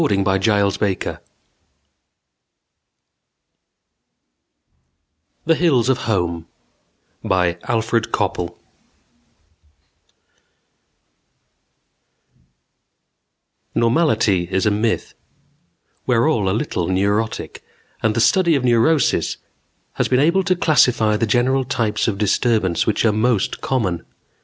net THE HILLS OF HOME by Alfred Coppel ++| _"Normality" is a myth; we're all a little neurotic, and the || study of neurosis has been able to classify the general || types of disturbance which are most common.